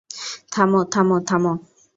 থামো, থামো, থামো।